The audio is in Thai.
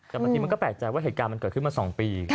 แต่บางทีมันก็แปลกใจว่าเหตุการณ์มันเกิดขึ้นมา๒ปี